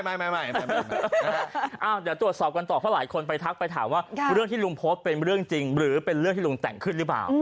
ไม่เดี๋ยวตรวจสอบกันต่อเพราะหลายคนไปทักไปถามว่าเรื่องที่ลุงโพสต์เป็นเรื่องจริงหรือเป็นเรื่องที่ลุงแต่งขึ้นหรือเปล่า